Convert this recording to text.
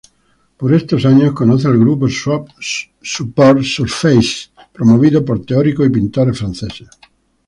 Por estos años conoce al grupo Supports-surfaces, promovido por teóricos y pintores franceses.